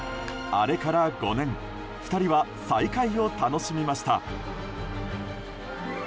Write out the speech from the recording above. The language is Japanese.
あれから５年２人は再会を楽しみました。